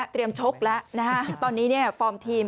ก็จะดี